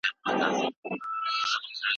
د ساینس څانګه له نورو برخو سره توپیر لري.